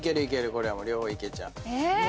これは両方いけちゃう。